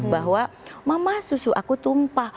bahwa mama susu aku tumpah